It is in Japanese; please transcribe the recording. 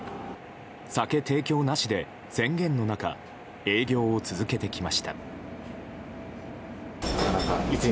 酒提供なしで、宣言の中営業を続けてきました。